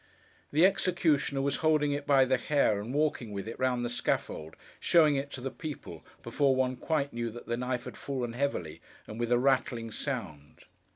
The executioner was holding it by the hair, and walking with it round the scaffold, showing it to the people, before one quite knew that the knife had fallen heavily, and with a rattling sound.